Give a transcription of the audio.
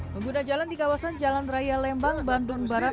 pengguna jalan di kawasan jalan raya lembang bandung barat